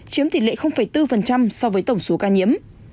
chiếm tỷ lệ bốn so với tổng số ca nhiễm